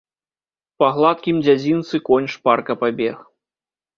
Па гладкім дзядзінцы конь шпарка пабег.